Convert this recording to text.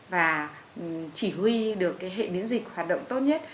và chỉ huy được cái hệ miễn dịch hoạt động tốt nhất